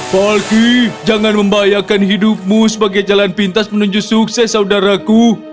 falky jangan membahayakan hidupmu sebagai jalan pintas menuju sukses saudaraku